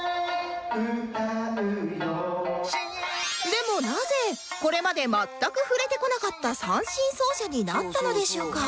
でもなぜこれまで全く触れてこなかった三線奏者になったのでしょうか？